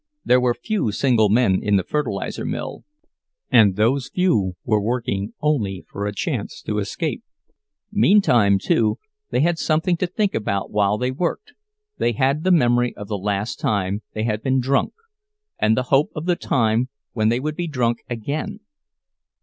There were few single men in the fertilizer mill—and those few were working only for a chance to escape. Meantime, too, they had something to think about while they worked,—they had the memory of the last time they had been drunk, and the hope of the time when they would be drunk again.